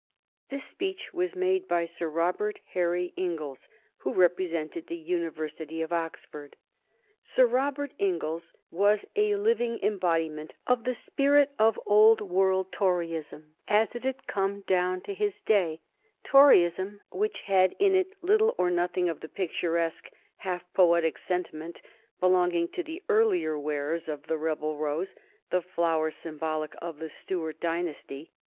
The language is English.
This speech was made by Sir Robert Harry Inglis, who represented the University of Oxford. Sir Robert Inglis was a living embodiment of the spirit of old world Toryism as it had come down to his day, Toryism which had in it little or nothing of the picturesque, half poetic sentiment belonging to the earlier wearers of the rebel rose, the flower symbolic of the Stuart dynasty.